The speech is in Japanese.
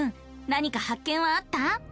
なにか発見はあった？